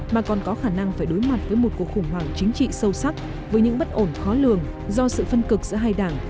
mà còn có khả năng phải đối mặt với một cuộc khủng hoảng chính trị sâu sắc với những bất ổn khó lường do sự phân cực giữa hai đảng